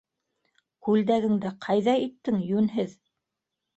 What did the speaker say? - Күлдәгеңде ҡайҙа иттең, йүнһеҙ?